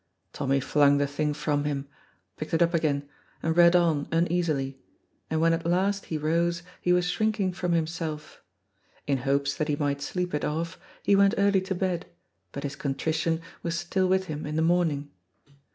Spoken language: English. Tommy flung the thing from him, picked it up again, and read on uneasily, and when at last he rose he was shrinking from himself. In hopes that he might sleep it off he went early to bed, but his contrition was still with him in the morning.